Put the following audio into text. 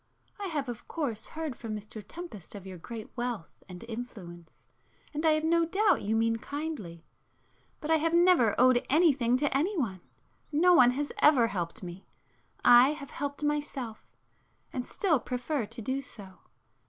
I have of course heard from Mr Tempest of your great wealth and influence, and I have no doubt you mean kindly. But I have never owed anything to any one,—no one has ever helped me,—I have helped myself, and still prefer to do so.